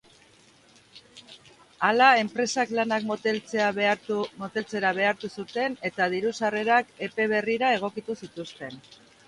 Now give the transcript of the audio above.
Hala, enpresa lanak moteltzera behartu zuten eta diru-sarrerak epe berrira egokitu zituzten.